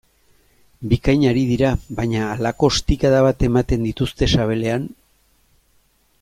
Bikain ari dira, baina halako ostikada bat ematen dizute sabelean...